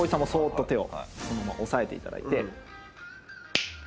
そのまま押さえていただいて。